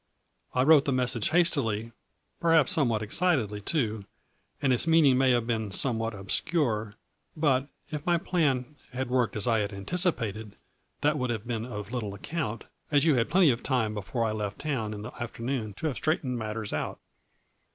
I wrote the mes 200 4 FLURRY IN DIAMONDS. sage hastily, perhaps somewhat excitedly too, and its meaning may have been somewhat ob scure, but, if my plan had worked as I had anti cipated, that would have been of little account, as you had plenty of time before I left town in the afternoon to have straightened matters out.